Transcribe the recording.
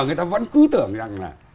người ta vẫn cứ tưởng rằng là